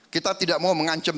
kita tidak mau mengancam